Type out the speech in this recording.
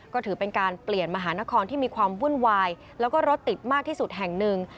ก็ถือเป็นการเปลี่ยนมหานครที่มีความวุ่นวายแล้วก็รถติดมากที่สุดแห่งหนึ่ง